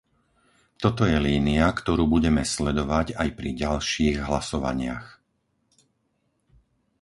Toto je línia, ktorú budeme sledovať aj pri ďalších hlasovaniach.